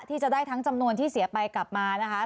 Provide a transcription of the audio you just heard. ที่จะได้ทั้งจำนวนที่เสียไปกลับมานะคะ